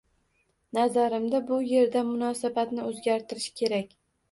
— Nazarimda, bu yerda munosabatni o‘zgartirish kerak.